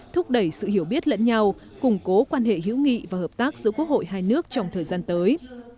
thúc đẩy sự hiểu biết lẫn nhau củng cố quan hệ hữu nghị và hợp tác giữa quốc hội hai nước trong thời gian tới